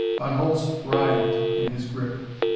Von Holtz writhed in his grip.